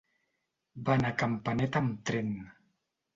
Va anar a Campanet amb tren.